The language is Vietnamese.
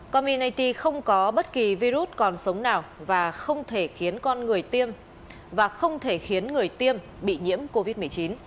community không có bất kỳ virus còn sống nào và không thể khiến người tiêm bị nhiễm covid một mươi chín